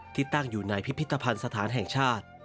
ที่ตั้งอยู่ในพิพิธภัณฑ์สถานแห่งชาติ